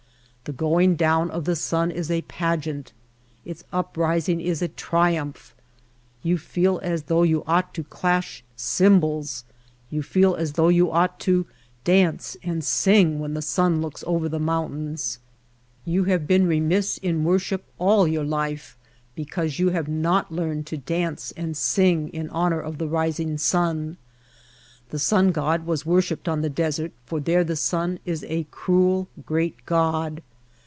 The going down of the sun is a pageant; its uprising is a triumph. You feel as though you ought to clash cymbals, •you feel as though you ought to dance and sing when the sun looks over the mountains. You have been remiss in worship all your life be White Heart of Mojave cause you have not learned to dance and sing in honor of the rising sun. The sun god was wor shiped on the desert for there the sun is a cruel, great god.